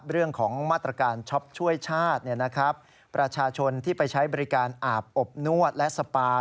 เรื่องของมาตรการช็อปช่วยชาติประชาชนที่ไปใช้บริการอาบอบนวดและสปา